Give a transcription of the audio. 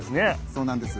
そうなんです。